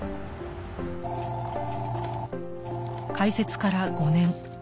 ☎開設から５年